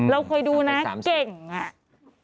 เราเคยดูนะเก่งอ่ะ